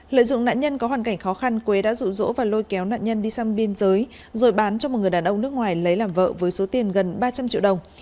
lợi dụng nạn nhân có hoàn cảnh khó khăn quế đã rụ rỗ và lôi kéo nạn nhân đi sang biên giới rồi bán cho một người đàn ông nước ngoài lấy làm vợ với số tiền gần ba trăm linh triệu đồng